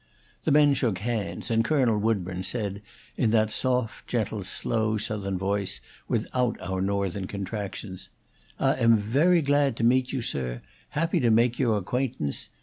The men shook hands, and Colonel Woodburn said, in that soft, gentle, slow Southern voice without our Northern contractions: "I am very glad to meet you, sir; happy to make yo' acquaintance.